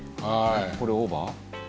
これオーバー？